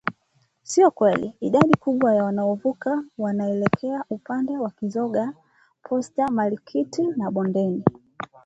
Sio kweli, idadi kubwa ya wanaovuka, wanaelekea upande wa Kizingo, Posta, Marikiti na Bondeni